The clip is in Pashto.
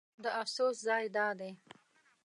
د افسوس ځای دا دی.